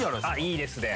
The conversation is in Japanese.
いいですね。